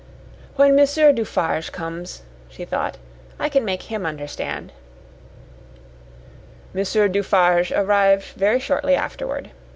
"When Monsieur Dufarge comes," she thought, "I can make him understand." Monsieur Dufarge arrived very shortly afterward.